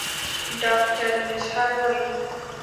ډاکټر میزهر وايي